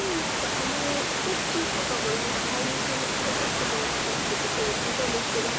あのポッキーとかもなんか俳優さんに食べさせてもらったっていう事も聞いたんですけど。